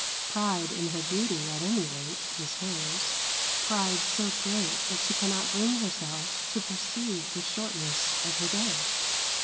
Pride in her beauty, at any rate, is hers pride so great that she cannot bring herself to perceive the shortness of her day.